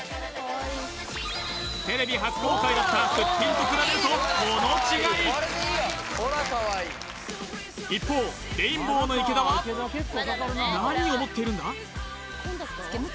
テレビ初公開だったすっぴんと比べるとこの違い一方レインボーの池田は何を持っているんだ？